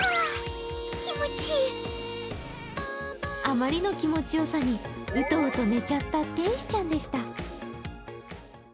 あまりの気持ちよさにうとうと寝ちゃった天使ちゃんでした。